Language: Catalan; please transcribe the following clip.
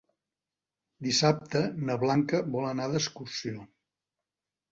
Dissabte na Blanca vol anar d'excursió.